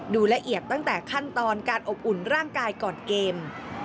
ละเอียดตั้งแต่ขั้นตอนการอบอุ่นร่างกายก่อนเกม